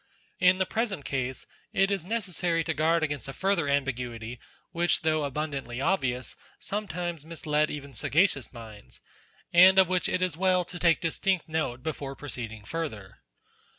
In the present case it is necessary to guard against a further ambiguity, which though abundantly obvious, has sometimes misled even sagacious minds, and of 14 NATURE which it is well to take distinct note before proceeding further.